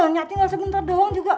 banyak tinggal sebentar doang juga